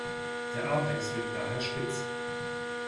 Der Apex wirkt daher spitz.